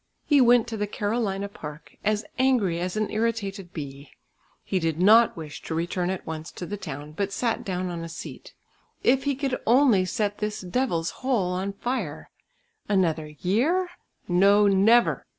He went to the Carolina Park, as angry as an irritated bee. He did not wish to return at once to the town, but sat down on a seat. If he could only set this devil's hole on fire! Another year? No, never!